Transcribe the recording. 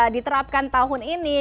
diterapkan tahun ini